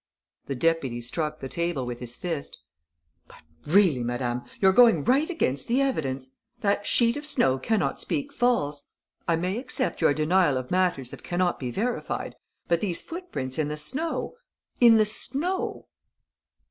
The deputy struck the table with his fist: "But, really, madame, you're going right against the evidence!... That sheet of snow cannot speak false!... I may accept your denial of matters that cannot be verified. But these footprints in the snow ... in the snow...."